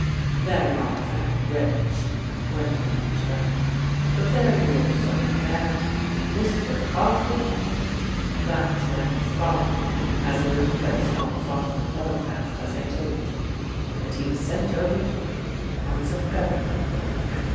" They're not very rich," went on Trev, " but they're your sort. Dad. Mr. Arthur Penryn, that's Mary's fa ther, has a little place not far from Belfast, as I told you, and he was sent over to Ireland on some Government work.